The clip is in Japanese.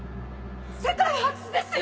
世界初ですよ！